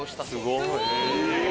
すごい！